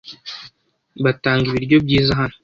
Batanga ibiryo byiza hano.